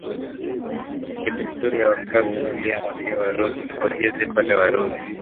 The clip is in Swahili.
ya kidesturi ya wakazi asilia wasio Warusi siku hizi kote Warusi